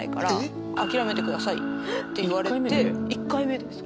１回目です